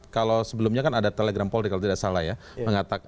kalau sebelumnya kan ada telegram polri kalau tidak salah ya